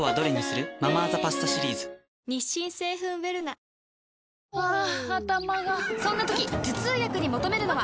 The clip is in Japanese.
プロハァ頭がそんな時頭痛薬に求めるのは？